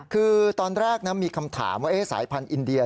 คือตอนแรกมีคำถามว่าสายพันธุ์อินเดีย